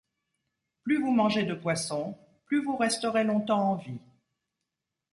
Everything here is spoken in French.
Plus vous mangez de poisson plus vous resterez longtemps en vie.